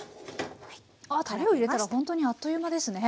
ああたれを入れたら本当にあっという間ですね。